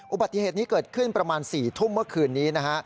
อุบัติเหตุนี้เกิดขึ้นประมาณ๔ทุ่มเมื่อคืนนี้นะฮะ